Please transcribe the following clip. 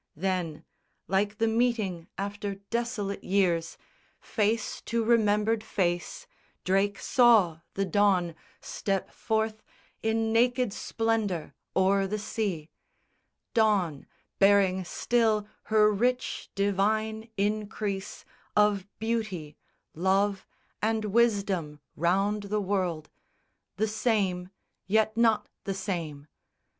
Then, like the meeting after desolate years, Face to remembered face, Drake saw the Dawn Step forth in naked splendour o'er the sea; Dawn, bearing still her rich divine increase Of beauty, love, and wisdom round the world; The same, yet not the same.